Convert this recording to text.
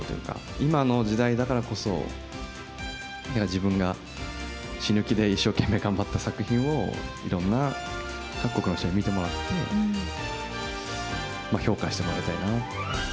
今の時代だからこそ、自分が死ぬ気で一生懸命頑張った作品を、いろんな、各国の人に見てもらって、評価してもらいたいな。